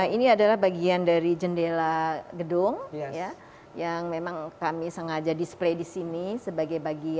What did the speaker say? ini adalah bagian dari jendela gedung yang memang kami sengaja display di sini sebagai bagian